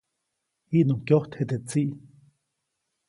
Jiʼnuŋ kyojtje teʼ tsiʼ.